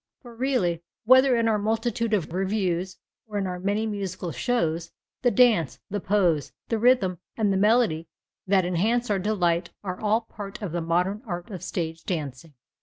For really, whether in our multitude of revues or in our many musical shows, the dance, the pose, the rhythm and the melody that enhance our delight are all parts of the modern art of stage dancing.